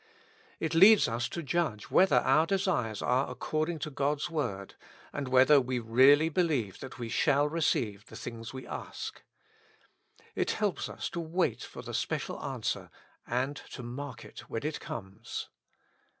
It leads us to judge whether our desires are according to God's Word, and whether we really believe that we shall receive the things we ask. It helps us to wait for the special answer, and to mark it when it comes.